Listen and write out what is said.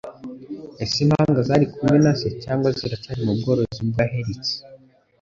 Ese impanga zari kumwe na se cyangwa ziracyari mu bworozi bwa Hertz?